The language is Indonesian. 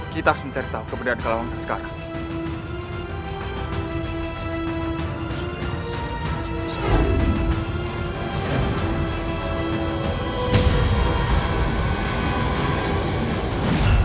kita harus menceritakan keberadaan kalaungan sekarang